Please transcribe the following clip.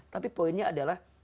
tapi poinnya adalah